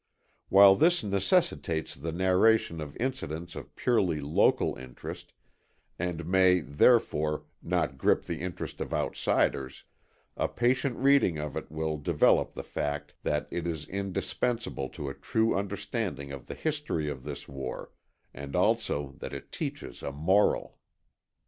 While this necessitates the narration of incidents of purely local interest, and may, therefore, not grip the interest of outsiders, a patient reading of it will develop the fact that it is indispensable to a true understanding of the history of this war, and also that it teaches a moral.